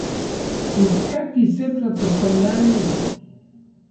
Nikkakis se tlatsotsonali